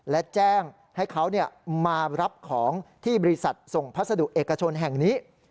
และแจ้งให้เขามารับของที่บริษัทส่งพัสดุเอกชนแห่งนี้